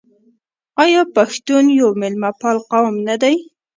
آیا پښتون یو میلمه پال قوم نه دی؟